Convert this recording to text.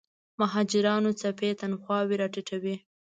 مهاجرانو څپې تنخواوې راټیټوي.